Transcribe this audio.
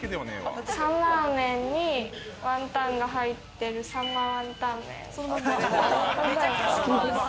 サンマーメンにワンタンが入ってるサンマーワンタンメン。